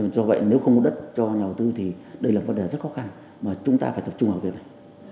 do vậy nếu không có đất cho nhà đầu tư thì đây là vấn đề rất khó khăn mà chúng ta phải tập trung vào việc này